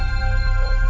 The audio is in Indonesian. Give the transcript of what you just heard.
ya udah deh